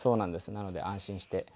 なので安心して。